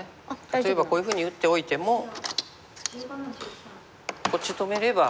例えばこういうふうに打っておいてもこっち止めれば。